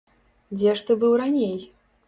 Дзе ж ты быў раней?